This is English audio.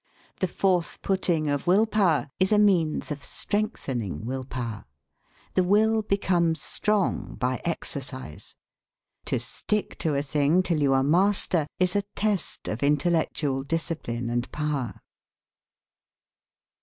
The forth putting of will power is a means of strengthening will power. The will becomes strong by exercise. To stick to a thing till you are master, is a test of intellectual discipline and power.